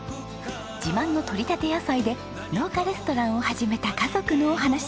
自慢のとりたて野菜で農家レストランを始めた家族のお話。